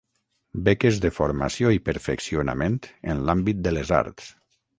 Beques de formació i perfeccionament en l'àmbit de les arts.